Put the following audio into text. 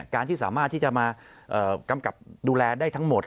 การที่สามารถที่จะมากำกับดูแลได้ทั้งหมด